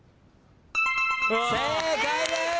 正解です！